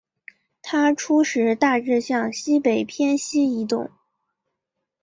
它初时大致向西北偏西移动。